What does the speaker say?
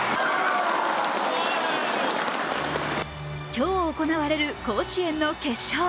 今日行われる甲子園の決勝。